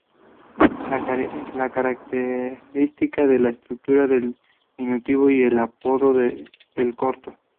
La característica de la estatura da el diminutivo y el apodo de "el corto".